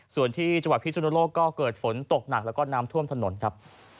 ส่วนที่จังหวัดพิสุนโลกก็เกิดฝนตกหนักแล้วก็น้ำท่วมถนนครับ